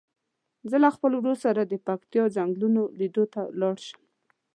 زه له خپل ورور سره د پکتیا څنګلونو لیدلو ته لاړ شم.